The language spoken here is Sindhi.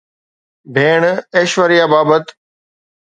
ڀيڻ ايشوريا بابت